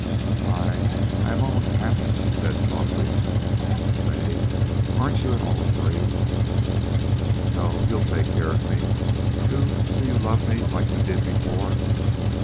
"I I am almost happy," she said, softly. "Fay!... Aren't you at all afraid?" "No. You'll take care of me.... Do do you love me like you did before?"